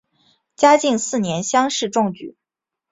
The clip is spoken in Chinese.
嘉靖四年乡试中举。